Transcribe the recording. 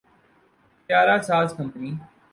طیارہ ساز کمپنی